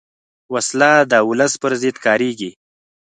وسله د ولس پر ضد کارېږي